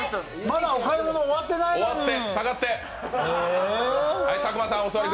まだお買い物、終わってないのに、え。